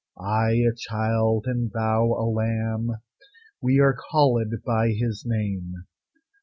I a child, and thou a lamb, We are callèd by His name.